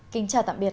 kính chào tạm biệt